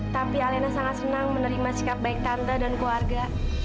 tapi alena sangat senang menerima sikap baik tante dan keluarga